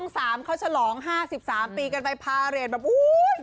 ซ่อง๓เขาฉลอง๕๓ปีกันไปพาเรนแบบอู้วววว